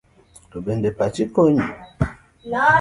To bende pache konye?